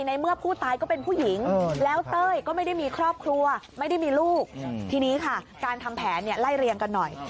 ในเมื่อผู้ตายก็เป็นผู้หญิงแล้วเต้ยก็ไม่ได้มีครอบครัวไม่ได้มีลูกทีนี้ค่ะการทำแผนเนี่ยไล่เรียงกันหน่อย